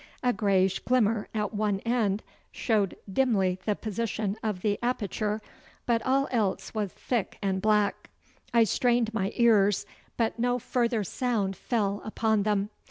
A greyish glimmer at one end showed dimly the position of the aperture, but all else was thick and black. I strained my ears, but no further sound fell upon them.